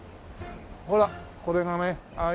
ほらこれがねああ